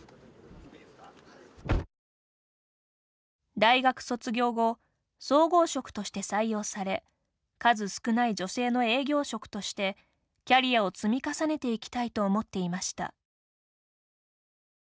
大学卒業後総合職として採用され数少ない女性の営業職としてキャリアを積み重ねていきたいと思っていました。